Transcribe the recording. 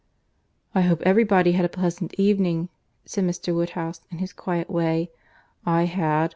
"I hope every body had a pleasant evening," said Mr. Woodhouse, in his quiet way. "I had.